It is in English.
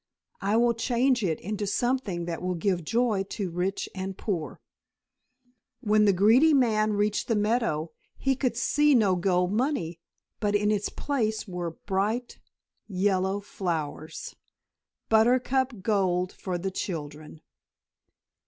I will change it into something that will give joy to rich and poor." When the greedy man reached the meadow he could see no gold money, but in its place were bright, yellow flowers buttercup gold for the children.